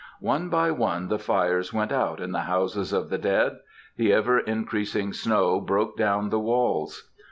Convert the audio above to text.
One by one the fires went out in the houses of the dead; the ever increasing snow broke down the walls.